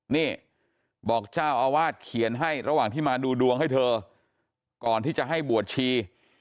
นี่บอกเจ้าอาวาสเขียนให้ระหว่างที่มาดูดวงให้เธอก่อนที่จะให้บวชชี